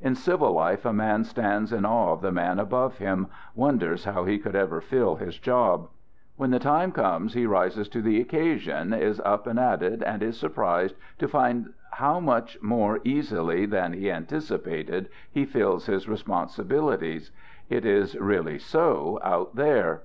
In civil life a man stands in awe of the man above him, wonders how he could ever fill his job. When the time comes he rises to the occasion, is up and at it, and is surprised to find how much more Digitized by 170 " THE GOOD SOLDIER " easily than he anticipated he fills his responsibilities. It is really so " out there."